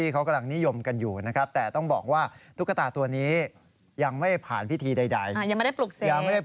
เพราะว่าธุรกิจต่างก็มีตุ๊กตาลูกเทพไปเกี่ยวข้าง